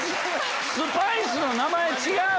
スパイスの名前違う！